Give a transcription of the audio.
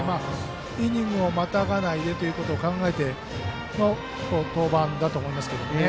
イニングをまたがないでということを考えての登板だと思います。